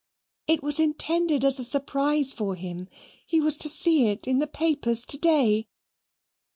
It was intended as a surprise for him he was to see it in the papers to day.